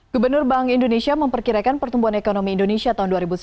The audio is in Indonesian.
gubernur bank indonesia memperkirakan pertumbuhan ekonomi indonesia tahun dua ribu sembilan belas